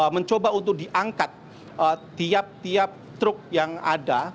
mencoba untuk diangkat tiap tiap truk yang ada